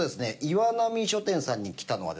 岩波書店さんに来たのはですね